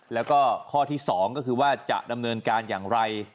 แล้วก็ข้อที่๒ก็คือว่าจะดำเนินการอย่างไร